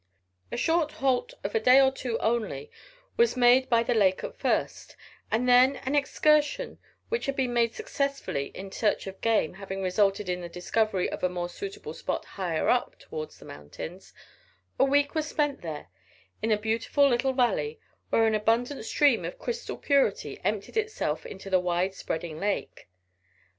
A short halt of a day or two only was made by the lake at first, and then an excursion which had been made successfully in search of game having resulted in the discovery of a more suitable spot higher up towards the mountains, a week was spent there in a beautiful little valley, where an abundant stream of crystal purity emptied itself into the wide spreading lake.